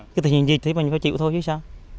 cái tình hình dịch thì mình phải chịu thôi chứ sao